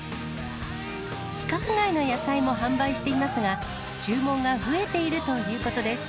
規格外の野菜も販売していますが、注文が増えているということです。